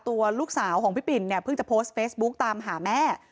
ตัวลูกสาวของพี่ปิ่นเนี่ยเพิ่งจะโพสต์เฟซบุ๊กตามหาแม่